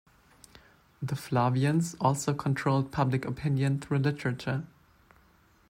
The Flavians also controlled public opinion through literature.